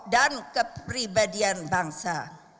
dan kepribadian bangsa